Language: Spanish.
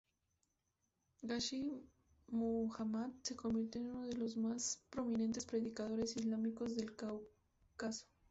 Ghazi Muhammad se convirtió en uno de los más prominentes predicadores islámicos del Cáucaso.